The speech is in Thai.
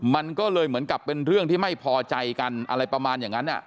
มันก็เลยเหมือนกับเป็นเรื่องที่ไม่พอใจกันอะไรประมาณอย่างนั้น